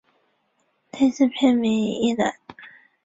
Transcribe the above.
类似片名一览